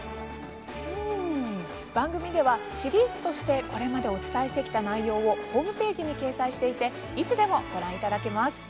番組では、シリーズとしてこれまでお伝えしてきた内容をホームページに掲載していていつでもご覧いただけます。